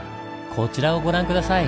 こちらをご覧下さい！